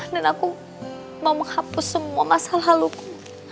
dan aku mau menghapus semua masalah lalu